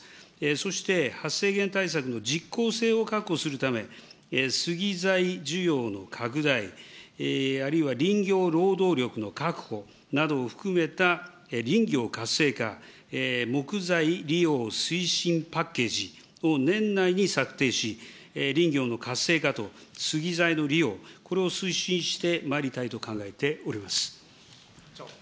そして発生源対策の実効性を確保するため、スギ材需要の拡大、あるいは林業労働力の確保、などを含めた林業活性化、木材利用推進パッケージを年内に策定し、林業の活性化と、スギ材の利用、これを推進してまいりたいと考えております。